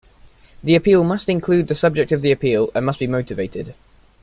The appeal must include the subject of the appeal and must be motivated.